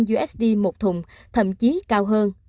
hai trăm linh usd một thùng thậm chí cao hơn